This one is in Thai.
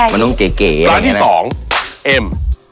ร้านที่๒เอ็ม